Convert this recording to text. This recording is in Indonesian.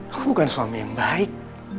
aku bukan suami yang baik